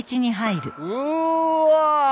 うわ！